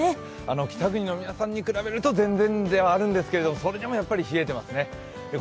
北国の皆さんに比べると全然ではあるんですけど、それでもやっぱり冷えてますね。